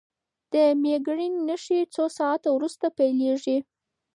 د مېګرین نښې څو ساعته وروسته پیلېږي.